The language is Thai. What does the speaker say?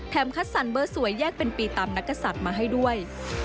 คัดสรรเบอร์สวยแยกเป็นปีตามนักกษัตริย์มาให้ด้วย